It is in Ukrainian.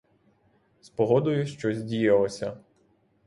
З погодою щось діялося.